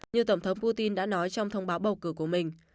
như tổng thống putin đã nói trong thông báo bầu cử của mình